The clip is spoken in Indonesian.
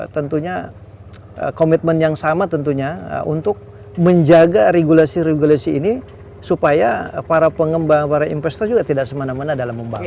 tentunya komitmen yang sama tentunya untuk menjaga regulasi regulasi ini supaya para pengembang para investor juga tidak semana mena dalam membangun